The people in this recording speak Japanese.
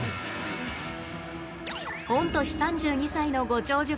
御年３２歳のご長寿